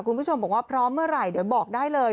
คุณผู้ชมบอกว่าพร้อมเมื่อไหร่เดี๋ยวบอกได้เลย